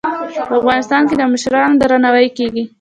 په افغانستان کې د مشرانو درناوی کیږي.